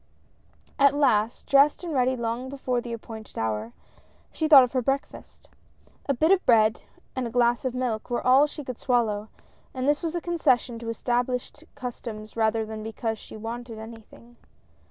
At last, dressed and ready long before the appointed hour, she thought of her breakfast. A bit of bread, and a glass of milk were all she could swallow, and this was a concession to established customs rather than because she wanted anything.